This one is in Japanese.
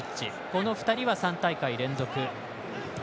この２人は３大会連続。